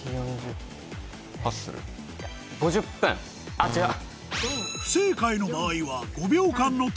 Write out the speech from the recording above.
あっ違う！